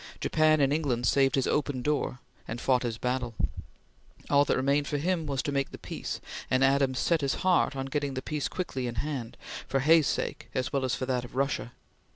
Japan and England saved his "open door" and fought his battle. All that remained for him was to make the peace, and Adams set his heart on getting the peace quickly in hand, for Hay's sake as well as for that of Russia.